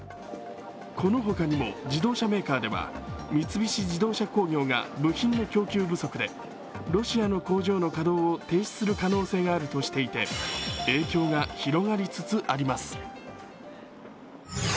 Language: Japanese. この他にも自動車メーカーでは三菱自動車工業が部品の供給不足で、ロシアの工場の稼働を停止する可能性があるとしていて、影響が広がりつつあります。